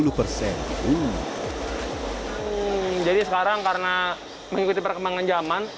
hmm jadi sekarang karena mengikuti perkembangan zaman